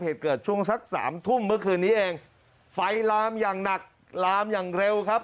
เหตุเกิดช่วงสักสามทุ่มเมื่อคืนนี้เองไฟลามอย่างหนักลามอย่างเร็วครับ